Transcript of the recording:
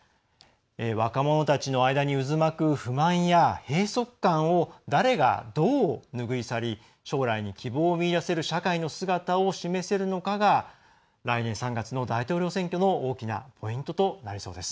若者たちの間に渦巻く不満や閉塞感を誰がどう拭い去り将来に希望を見いだせる社会の姿を示せるのかが来年３月の大統領選挙の大きなポイントとなりそうです。